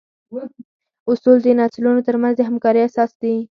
اصول د نسلونو تر منځ د همکارۍ اساس دي.